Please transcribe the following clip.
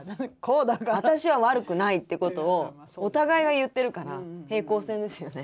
私は悪くないっていうことをお互いが言ってるから平行線ですよね。